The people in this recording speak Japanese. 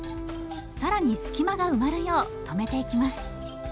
更に隙間が埋まるよう留めていきます。